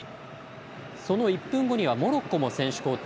１分後にはモロッコも選手交代。